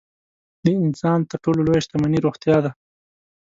د انسان تر ټولو لویه شتمني روغتیا ده.